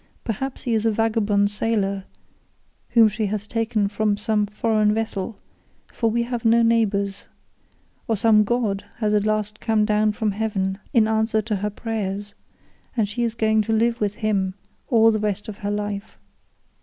Perhaps he is a vagabond sailor whom she has taken from some foreign vessel, for we have no neighbours; or some god has at last come down from heaven in answer to her prayers, and she is going to live with him all the rest of her life.